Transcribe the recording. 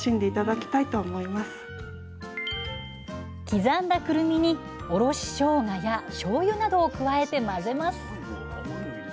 刻んだくるみにおろししょうがやしょうゆなどを加えて混ぜます。